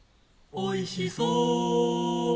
「おいしそ！」